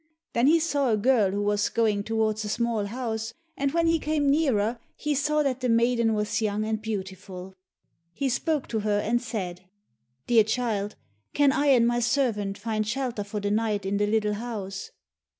Then he saw a girl who was going towards a small house, and when he came nearer, he saw that the maiden was young and beautiful. He spoke to her, and said, "Dear child, can I and my servant find shelter for the night in the little house?"